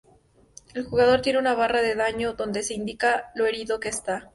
El jugador tiene una barra de daño donde se indica lo herido que está.